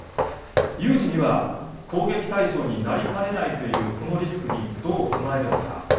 有事には攻撃対象になりかねないというこのリスクに、どう備えるのか。